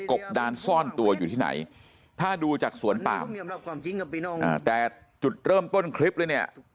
บดานซ่อนตัวอยู่ที่ไหนถ้าดูจากสวนปามแต่จุดเริ่มต้นคลิปเลยเนี่ย